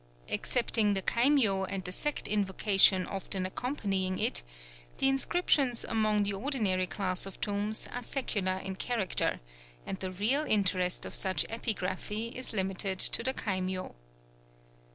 Excepting the kaimyō, and the sect invocation often accompanying it, the inscriptions upon the ordinary class of tombs are secular in character; and the real interest of such epigraphy is limited to the kaimyō.